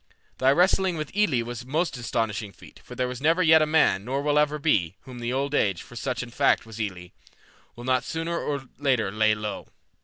Thy wrestling with Elli was also a most astonishing feat, for there was never yet a man, nor ever will be, whom Old Age, for such in fact was Elli, will not sooner or later lay low.